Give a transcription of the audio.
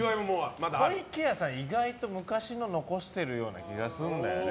湖池屋さんは意外と昔のを残してる気がするんだよね。